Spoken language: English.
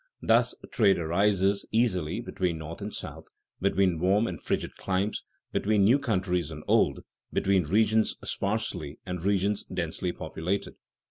Thus trade arises easily between north and south, between warm and frigid climes, between new countries and old, between regions sparsely and regions densely populated.